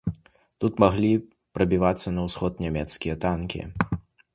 Тут маглі прабівацца на ўсход нямецкія танкі.